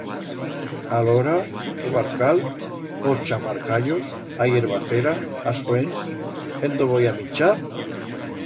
Alora... o barcal, os chamarcallos, a hierbacera, as fuents... En dó voi a minchar?